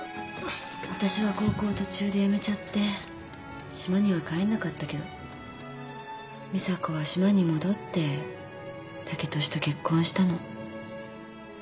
わたしは高校途中で辞めちゃって島には帰んなかったけど美沙子は島に戻って剛利と結婚したの。